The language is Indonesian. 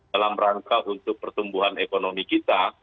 dalam rangka untuk pertumbuhan ekonomi kita